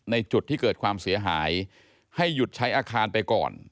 ในจุดที่เกิดความเสียหายให้หยุดใช้อาคารไปก่อน